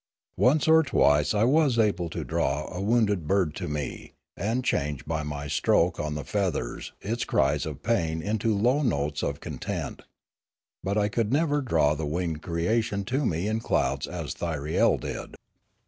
Once or twice I was able to draw a My Education Continued 253 wounded bird to me, and change by my stroke on the feathers its cries of pain into low notes of content; but I could never draw the winged creation to me in clouds as Thyriel did.